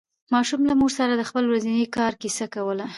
ماشوم له مور سره د خپل ورځني کار کیسه کوله